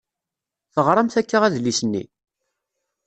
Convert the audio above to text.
Teɣṛamt akka adlis-nni?